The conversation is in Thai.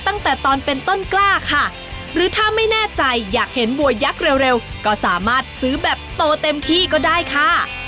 ตั้งแต่ตอนเป็นต้นกล้าค่ะหรือถ้าไม่แน่ใจอยากเห็นบัวยักษ์เร็วก็สามารถซื้อแบบโตเต็มที่ก็ได้ค่ะ